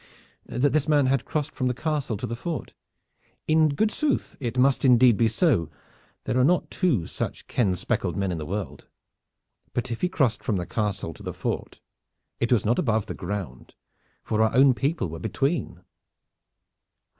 "That this man had crossed from the castle to the fort." "In good sooth, it must indeed be so. There are not two such ken speckled men in the world. But if he crossed from the castle to the fort, it was not above the ground, for our own people were between."